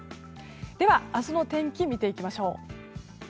では、明日の天気見ていきましょう。